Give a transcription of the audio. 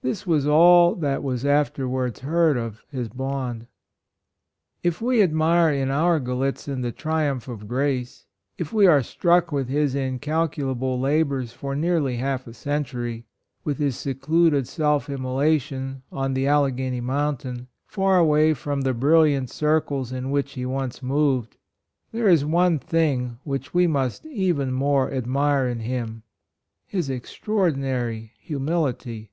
This was all that was afterwards heard of his bond. If we admire in our Gallitzin the triumph of grace — if we are struck with his incalculable labors for nearly half a century — with his secluded self immolation on the Al leghany mountain, far away from the brilliant circles in which he once moved, there is one thing which we must even more admire in him — his extraordinary humility.